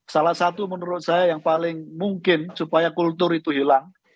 salah satu menurut saya yang paling mungkin supaya kultur itu hilang